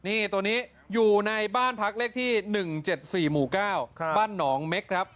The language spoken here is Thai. นี่ตัวนี้อยู่ในบ้านพักเลขที่๑๗๔หมู่๙บ้านหนองเม็กครับ